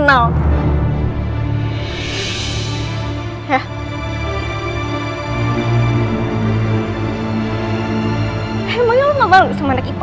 tidak ada yang bisa menguruskan diri gue